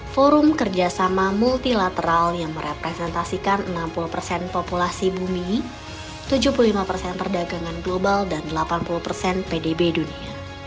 forum kerjasama multilateral yang merepresentasikan enam puluh persen populasi bumi tujuh puluh lima persen perdagangan global dan delapan puluh persen pdb dunia